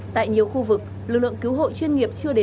tại nhiều khu vực lực lượng cứu hộ chuyên nghiệp chưa đến